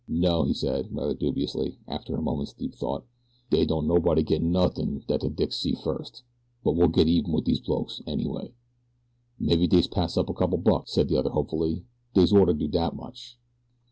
"No," he said, rather dubiously, after a moment's deep thought; "dey don't nobody get nothin' dat de dicks see first; but we'll get even with dese blokes, annyway." "Maybe dey'll pass us a couple bucks," said the other hopefully. "Dey'd orter do dat much."